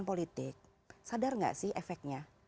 politik sadar nggak sih efeknya